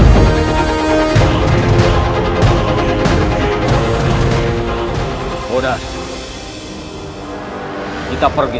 kita bisa jalankannya